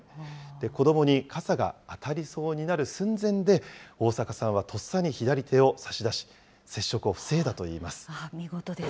子どもに傘が当たりそうになる寸前で、逢阪さんはとっさに左手を差し出し、接触を防いだといいます。